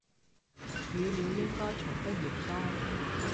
語料應該從不嫌多